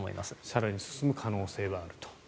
更に進む可能性はあると。